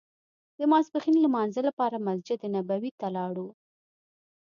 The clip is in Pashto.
د ماسپښین لمانځه لپاره مسجد نبوي ته لاړو.